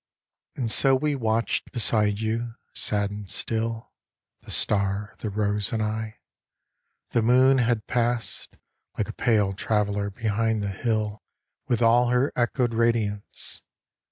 And so we watched beside you, sad and still, The star, the rose, and I. The moon had past, Like a pale traveler, behind the hill With all her echoed radiance.